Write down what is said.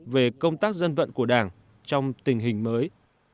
về công tác dân vận của đảng trong tình hình mới